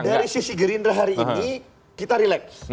dari sisi gerindra hari ini kita relax